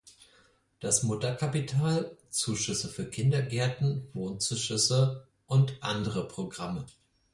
das Mutterkapital, Zuschüsse für Kindergärten, Wohnzuschüsse und andere Programme.